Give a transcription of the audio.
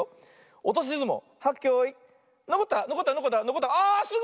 おとしずもう。